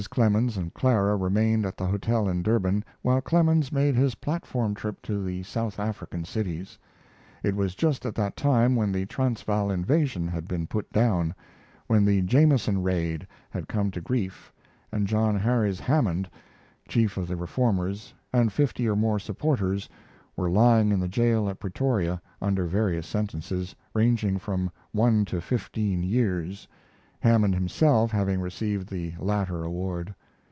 Clemens and Clara remained at the hotel in Durban while Clemens made his platform trip to the South African cities. It was just at the time when the Transvaal invasion had been put down when the Jameson raid had come to grief and John Hares Hammond, chief of the reformers, and fifty or more supporters were lying in the jail at Pretoria under various sentences, ranging from one to fifteen years, Hammond himself having received the latter award.